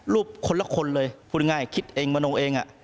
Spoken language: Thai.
คนละคนเลยพูดง่ายคิดเองมโนเอง